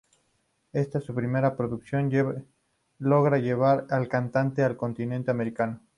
Ésta y su primera producción logra llevar al cantante al continente americano.